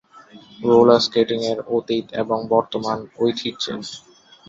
Roller স্কেটিং-র, অতীত এবং বর্তমান ঐতিহ্যের।